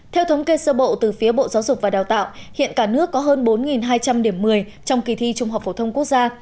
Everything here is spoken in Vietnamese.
theo thống kê sơ bộ từ phía bộ giáo dục và đào tạo hiện cả nước có hơn bốn hai trăm linh điểm một mươi trong kỳ thi trung học phổ thông quốc gia